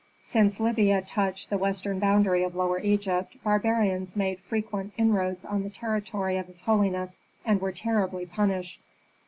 Since Libya touched the western boundary of Lower Egypt, barbarians made frequent inroads on the territory of his holiness, and were terribly punished.